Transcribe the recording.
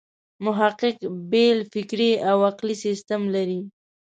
محقق بېل فکري او عقلي سیسټم لري.